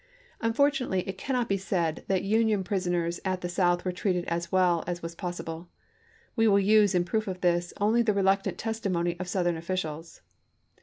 Unfortunately, it cannot be said that Union pris oners at the South were treated as well as was possible. We will use, in proof of this, only the reluctant testimony of Southern officials.